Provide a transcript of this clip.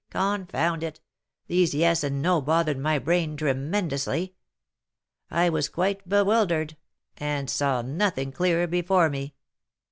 Confound it! these yes and no bothered my brain tremendously. I was quite bewildered, and saw nothing clear before me.